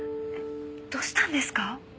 どうしたんですか？